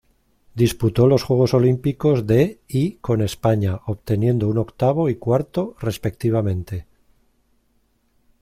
Disputó los Juegos Olímpicos de y con España, obteniendo un octavo y cuarto, respectivamente.